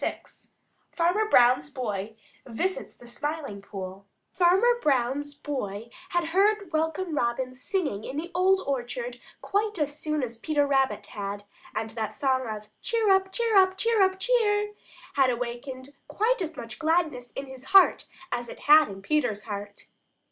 VI FARMER BROWN'S BOY VISITS THE SMILING POOL Farmer Brown's boy had heard Welcome Robin singing in the Old Orchard quite as soon as Peter Rabbit had, and that song of "Cheer up! Cheer up! Cheer up! Cheer!" had awakened quite as much gladness in his heart as it had in Peter's heart.